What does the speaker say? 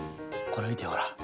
これ見てよほら。